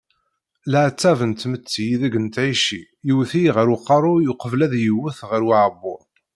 Leɛtab n tmetti ideg nettɛici yewwet-iyi ɣer uqerruy uqbel ad iyi-iwet ɣer uɛebbuḍ.